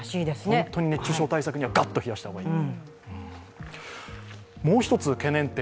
本当に、熱中症対策にはがっと冷やした方がいい。